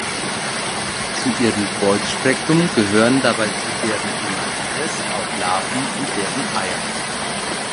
Zu ihrem Beutespektrum gehören dabei neben deren Imagines und Larven auch deren Eier.